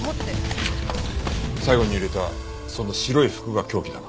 最後に入れたその白い服が凶器だな。